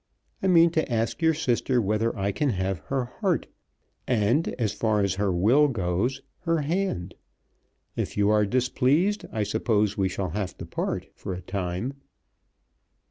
I mean to ask your sister whether I can have her heart, and, as far as her will goes, her hand. If you are displeased I suppose we shall have to part, for a time.